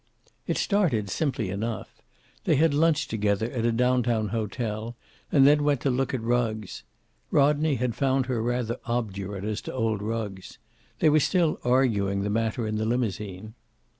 It started simply enough. They had lunched together at a down town hotel, and then went to look at rugs. Rodney had found her rather obdurate as to old rugs. They were still arguing the matter in the limousine.